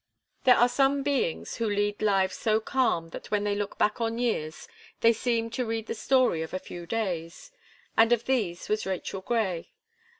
There are some beings who lead lives so calm, that when they look back on years, they seem to read the story of a few days; and of these was Rachel Gray.